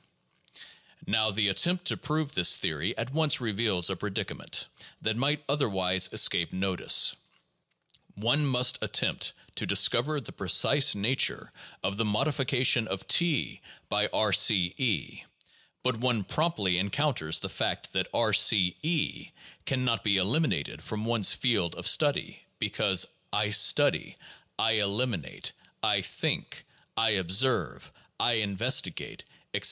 Now the attempt to prove this theory at once reveals a predicament that might otherwise escape notice. One must attempt to discover the precise nature of the modification of T by R C (E) • but one promptly encounters the fact that R C {E) can not be eliminated from one's field of study, because "I study," "I eliminate," "I think," "I observe," "I investigate," etc.